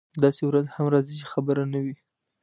داسې ورځ هم راځي چې خبر نه وي.